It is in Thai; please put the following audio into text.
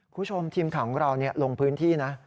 คุณผู้ชมทีมข่าวของเราลงพื้นที่นะ